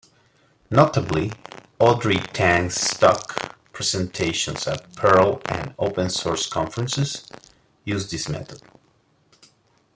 Notably, Audrey Tang's stock presentations at Perl and Open Source conferences use this method.